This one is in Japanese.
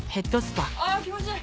あぁ気持ちいい！